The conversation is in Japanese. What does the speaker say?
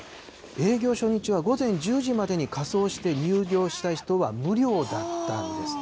営業初日は午前１０時までに仮装して入場した人は無料だったんです。